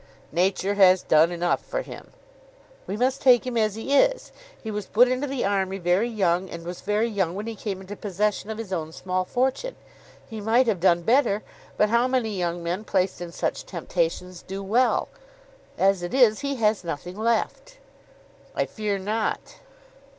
"Nature has done enough for him." "We must take him as he is. He was put into the army very young, and was very young when he came into possession of his own small fortune. He might have done better; but how many young men placed in such temptations do well? As it is, he has nothing left." "I fear not."